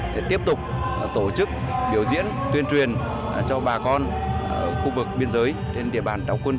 để tiếp tục tổ chức biểu diễn tuyên truyền cho bà con khu vực biên giới trên địa bàn đảo quân